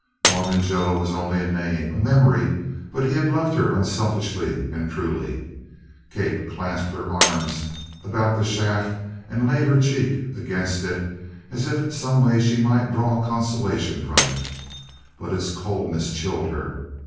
Mormon Joe was only a name, a memory, but he had loved her unselfishly and truly. Kate clasped her arms about the shaft and laid her cheek against it as if in some way she might draw consolation from it. But its coldness chilled her.